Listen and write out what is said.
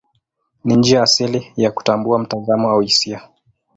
Ni njia asili ya kutambua mtazamo au hisia.